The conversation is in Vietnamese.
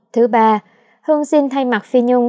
thứ ba hương xin thay mặt phi nhung